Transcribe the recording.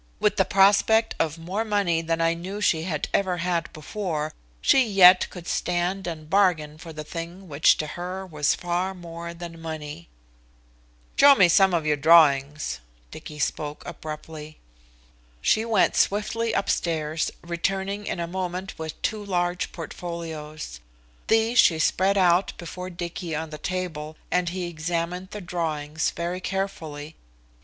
With the prospect of more money than I knew she had ever had before, she yet could stand and bargain for the thing which to her was far more than money. "Show me some of your drawings," Dicky spoke abruptly. She went swiftly upstairs, returning in a moment with two large portfolios. These she spread out before Dicky on the table, and he examined the drawings very carefully.